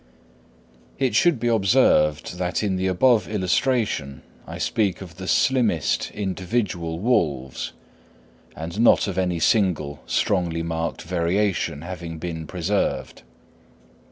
It should be observed that in the above illustration, I speak of the slimmest individual wolves, and not of any single strongly marked variation having been preserved.